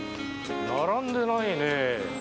並んでないね。